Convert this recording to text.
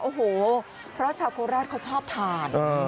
โอ้โหเพราะชาวโคราชเขาชอบทาน